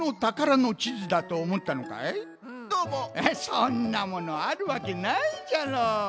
そんなものあるわけないじゃろ。